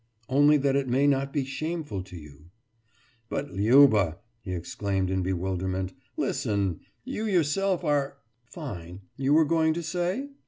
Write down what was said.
Only that it may not be shameful to you.« »But, Liuba!« he exclaimed in bewilderment. »Listen! You yourself are....« »Fine, you were going to say?